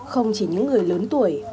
không chỉ những người lớn tuổi